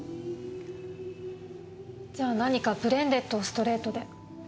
じゃ何かブレンデッドをストレートで。